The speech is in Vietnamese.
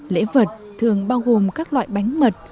lễ vật thường bao gồm các loại bánh mật